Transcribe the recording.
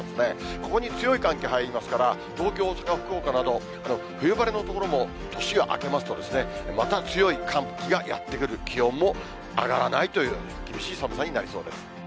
ここに強い寒気入りますから、東京、大阪、福岡など、冬晴れの所も年が明けますと、また強い寒気がやって来る、気温も上がらないという、厳しい寒さになりそうです。